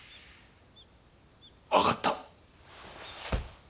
わかった。